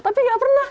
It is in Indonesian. tapi gak pernah